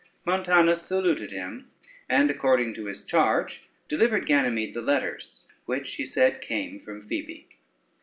Montanus saluted him, and according to his charge delivered Ganymede the letters, which, he said, came from Phoebe.